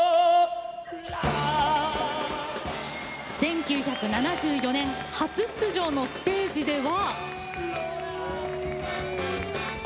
１９７４年初出場のステージでは。